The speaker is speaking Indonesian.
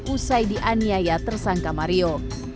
usai dianiaya tersangka mario